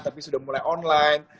tapi sudah mulai online